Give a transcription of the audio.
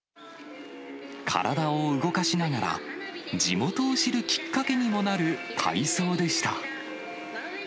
体を動かしながら、地元を知るきっかけにもなる体操でした。